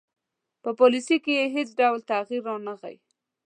په پالیسي کې یې هیڅ ډول تغیر رانه غی.